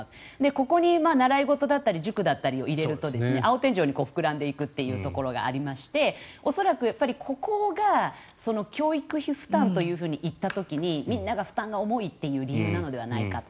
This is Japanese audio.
ここに習い事だったり塾だったりを入れると青天井に膨らんでいくというところがありまして恐らく、ここが教育費負担といった時にみんなが負担が重いという理由なんじゃないかと。